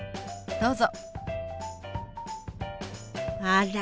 どうぞ。